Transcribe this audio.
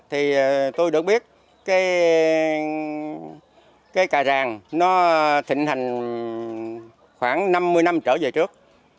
thì tôi được biết cái cà ràng nó thịnh hành khoảng năm mươi năm trở về trước